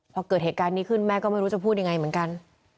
พอเกิดเหตุการณ์นี้ขึ้นแม่ก็ไม่รู้จะพูดยังไงเหมือนกัน